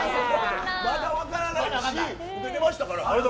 まだ分からないしウケてましたから。